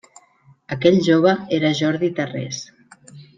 Aquell jove era Jordi Tarrés.